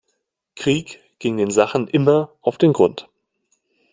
Krieg ging den Sachen immer auf den Grund.